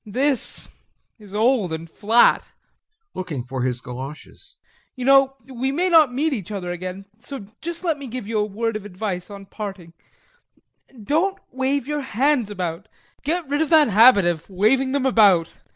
This is old and flat. [Looking for his goloshes] You know, we may not meet each other again, so just let me give you a word of advice on parting: "Don't wave your hands about! Get rid of that habit of waving them about.